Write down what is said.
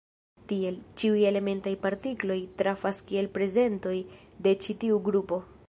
Tiel, ĉiuj elementaj partikloj trafas kiel prezentoj de ĉi tiu grupo.